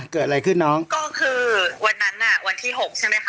ก็คือวันนั้นอ่ะวันที่หกใช่มั้ยคะ